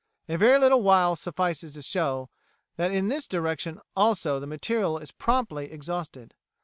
A very little while suffices to show that in this direction also the material is promptly exhausted.